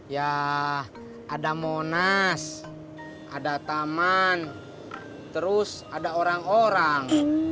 ya ada monas ada taman terus ada orang orang